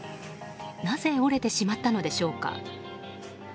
なぜ折れてしまったのでしょうか。